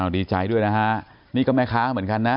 ดีใจด้วยนะฮะนี่ก็แม่ค้าเหมือนกันนะ